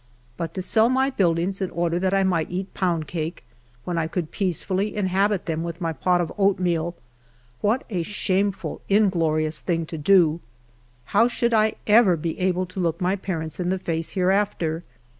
But to sell my buildings in order that 1 26 HALF A DIME A DAY. might eat pound cake, when I could peacefully inhabit them with my pot of oatmeal, what a shameful, inglorious thing to do ! How should I ever be able to look my parents in the face hereafter?